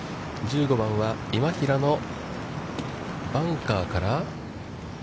１５番は今平のバンカーから。